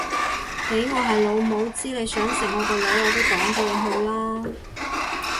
俾我係老母知你想食我個女我都擋咗你去啦